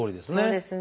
そうですね。